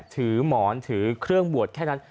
ถือหมอนถือเครื่องบวชแค่นั้น